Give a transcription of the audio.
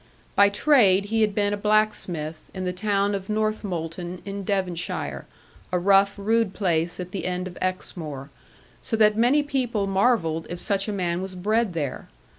By trade he had been a blacksmith, in the town of Northmolton, in Devonshire, a rough rude place at the end of Exmoor, so that many people marvelled if such a man was bred there.